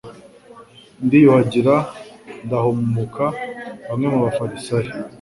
ndiyuhagira ndahumuka. Bamwe mu bafarisayo